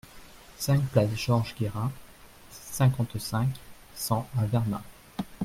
cinq place Georges Guérin, cinquante-cinq, cent à Verdun